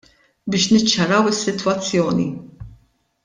Biex niċċaraw is-sitwazzjoni.